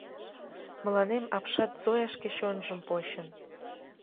Мыланем апшат Зоя шке чонжым почын.